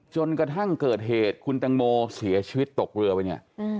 จนกระทั่งเกิดเหตุคุณตังโมเสียชีวิตตกเรือไปเนี่ย